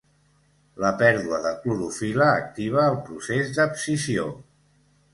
La pèrdua de clorofil·la activa el procés d'abscisió.